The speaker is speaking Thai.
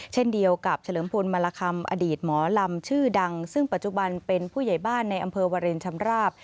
เช่นเดียวกับเฉลิมพลมารคำอดีตหมอลำชื่อดังซึ่งปัจจุบันเป็นผู้ใหญ่บ้านในอำเภอวาเรนชำราบ